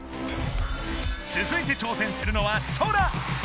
つづいて挑戦するのはソラ！